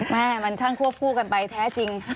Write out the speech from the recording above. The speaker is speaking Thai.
แม่มันช่างควบคู่กันไปแท้จริง